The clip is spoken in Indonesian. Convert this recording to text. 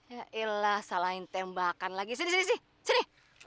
ya iya lah salahin tembakan lagi sini sini sini sini